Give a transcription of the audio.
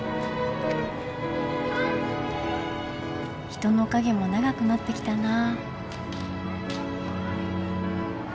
人の影も長くなってきたな。